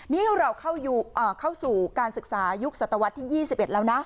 นี่เราเข้าอยู่อ่าเข้าสู่การศึกษายุคศตวรรษที่ยี่สิบเอ็ดแล้วน่ะ